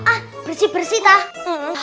ah bersih bersih tak